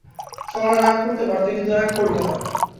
সরলা রাগ করতে পারত কিন্তু রাগ করলে না।